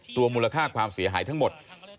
รวมมูลค่าความเสียหายทั้งหมด